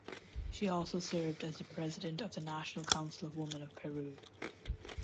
She also served as the president of the National Council of Women of Peru.